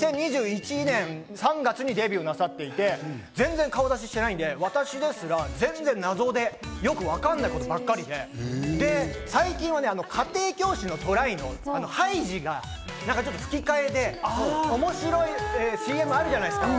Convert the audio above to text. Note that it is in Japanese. ２０２１年３月にデビューなさっていて、全然顔出ししてないんで、私ですら全然謎で、よくわかんないことばっかりで、最近は家庭教師のトライのハイジが吹き替えで面白いＣＭあるじゃないですか。